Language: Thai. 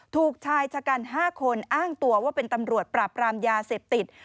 ถูกชายชะกัน๕คนอ้างตัวว่าเป็นตำรวจปราบรามยาเสพติด